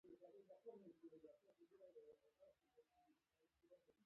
زه ناروغ شوم او اسماس ته ستون شوم.